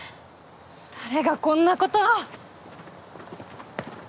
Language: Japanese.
誰がこんなことを！